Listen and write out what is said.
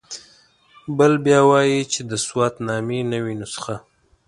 بل بیا وایي چې د سوات نامې نوې نسخه.